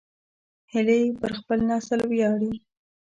هیلۍ پر خپل نسل ویاړي